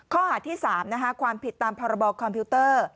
ข้อหาที่สามนะฮะความผิดตามภาระบอกคอมพิวเตอร์